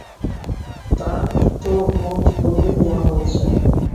তাঁর তো মত পূর্বেই নেওয়া হয়েছে।